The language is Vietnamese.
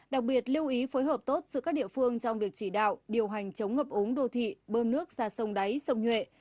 đặc biệt lưu ý phối hợp tốt giữa các địa phương trong việc chỉ đạo điều hành chống ngập úng đô thị bơm nước ra sông đáy sông nhuệ